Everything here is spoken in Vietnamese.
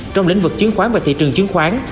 trong lĩnh vực chiến khoán và thị trường chứng khoán